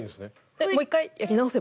でもう１回やり直せば。